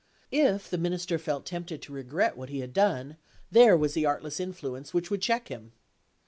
If the Minister felt tempted to regret what he had done, there was the artless influence which would check him!